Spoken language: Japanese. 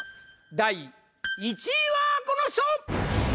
第１位はこの人！